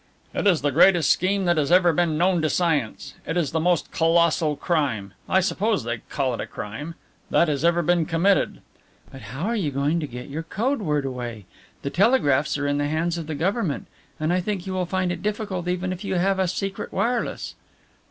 "It is the greatest scheme that has ever been known to science. It is the most colossal crime I suppose they will call it a crime that has ever been committed." "But how are you going to get your code word away? The telegraphs are in the hands of the Government and I think you will find it difficult even if you have a secret wireless."